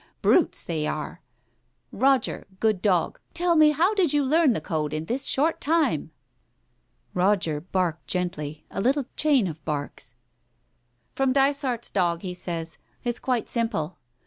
.. Brutes they are !... Roger, good dog, tell me how did you learn the code in this short time ?" Roger barked gently, a little chain of barks. "From Dysart's dog, he says. It's quite simple.